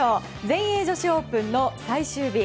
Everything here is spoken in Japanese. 全英女子オープンの最終日。